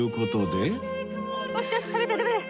よしよし食べて食べて。